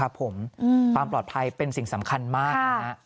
ผมความปลอดภัยเป็นสิ่งสำคัญมากนะฮะ